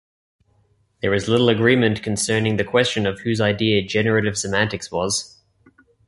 There is little agreement concerning the question of whose idea generative semantics was.